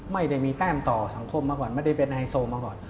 ไม่ได้มีแต้มต่อสังคมมาก่อนไม่ได้เป็นไฮโซมาก่อน